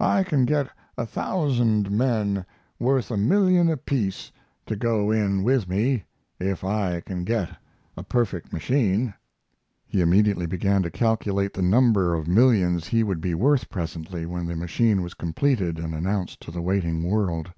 I can get a thousand men worth a million apiece to go in with me if I can get a perfect machine." He immediately began to calculate the number of millions he would be worth presently when the machine was completed and announced to the waiting world.